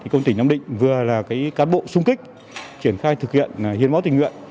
công tỉnh nam định vừa là cán bộ sung kích triển khai thực hiện hiến máu tình nguyện